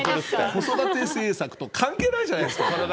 子育て政策と関係ないじゃないですか。